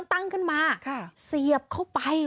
ตั้งขึ้นมาเสียบเข้าไป